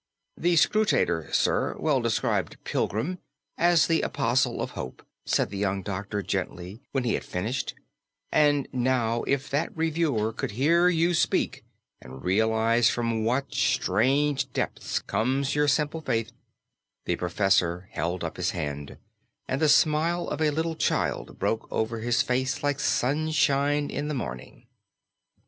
"The Scrutator, sir, well described 'Pilgrim' as the Apostle of Hope," said the young doctor gently, when he had finished; "and now, if that reviewer could hear you speak and realize from what strange depths comes your simple faith " The professor held up his hand, and the smile of a little child broke over his face like sunshine in the morning.